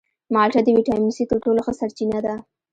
مالټه د ویټامین سي تر ټولو ښه سرچینه ده.